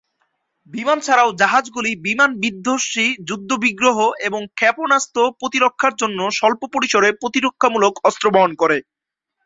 বিমান ছাড়াও, জাহাজগুলি বিমান বিধ্বংসী যুদ্ধবিগ্রহ এবং ক্ষেপণাস্ত্র প্রতিরক্ষার জন্য স্বল্প পরিসরের প্রতিরক্ষামূলক অস্ত্র বহন করে।